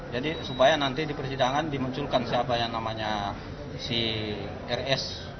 jadi supaya nanti di persidangan dimunculkan siapa yang namanya si rs